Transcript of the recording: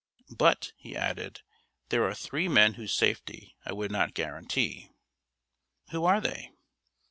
"But," he added, "there are three men whose safety I would not guarantee." "Who are they?"